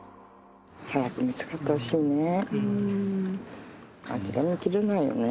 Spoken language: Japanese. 早く見つかってほしいね。